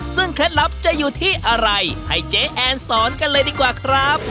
ซึ่งเคล็ดลับจะอยู่ที่อะไรให้เจ๊แอนสอนกันเลยดีกว่าครับ